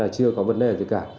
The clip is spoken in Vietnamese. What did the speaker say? chưa có vấn đề gì cả